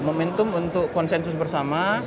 momentum untuk konsensus bersama